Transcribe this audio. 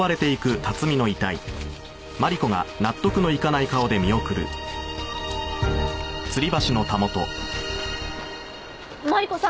マリコさん